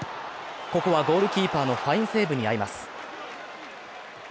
ここはゴールキーパーのファインセーブにあいます。